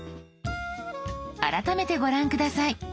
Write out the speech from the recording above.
改めてご覧下さい。